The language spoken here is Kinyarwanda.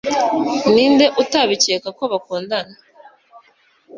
Ninde utabikeka ko bakundana